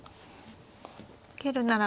受けるならば。